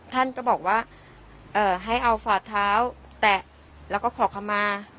ท่านก็บอกว่าให้เอาฝาดเท้าแตะแล้วก็ขอคำมา